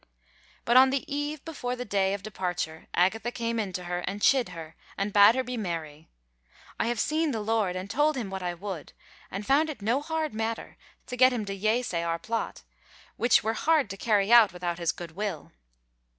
But on the eve before the day of departure Agatha came into her, and chid her, and bade her be merry: "I have seen the Lord and told him what I would, and found it no hard matter to get him to yeasay our plot, which were hard to carry out without his goodwill.